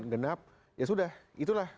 genap ya sudah itulah